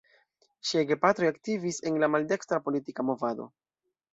Ŝiaj gepatroj aktivis en la maldekstra politika movado.